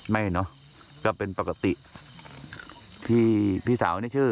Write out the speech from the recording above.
ไม่เนอะก็เป็นปกติที่พี่สาวนี่ชื่อ